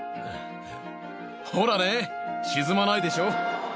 ほらね沈まないでしょ。